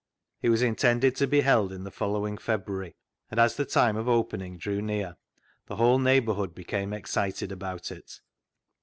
It was intended to be held in the following February, and as the time of opening drew near, the whole neighbourhood became excited about it.